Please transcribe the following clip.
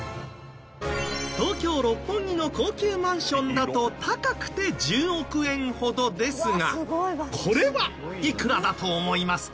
東京六本木の高級マンションだと高くて１０億円ほどですがこれはいくらだと思いますか？